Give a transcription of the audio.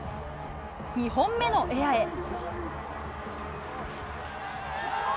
２本目のエアへ。